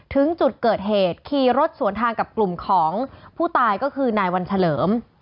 ถึงจุดเกิดเหตุขี่รถสวนทางกับกลุ่มของผู้ตายก็คือนายวันเฉลิม